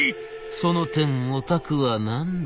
「その点おたくは何だ？